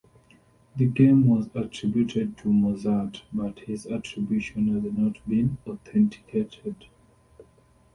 The game was attributed to Mozart, but this attribution has not been authenticated.